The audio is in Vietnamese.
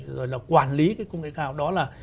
rồi là quản lý công nghệ cao đó là